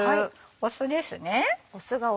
酢ですね。